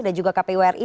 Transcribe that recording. dan juga kpu ri